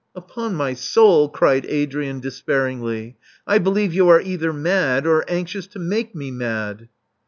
Upon my soul," cried Adrian despairingly, '*I believe you are either mad or anxious to make me mad."